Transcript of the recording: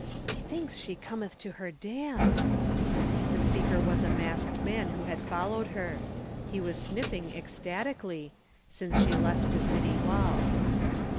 "Methinks she cometh to her damn!" The speaker was a masked man who had followed her he was sniffing ecstatically since she left the city walls.